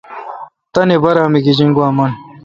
تانی بارہ می گیجن گوا من۔